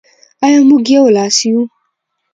آیا موږ یو لاس یو؟